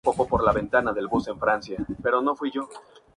Llegándose a dudar de su capacidad para gobernar el municipio.